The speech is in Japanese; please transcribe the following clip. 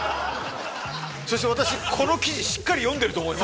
そして私この記事しっかり読んでると思います。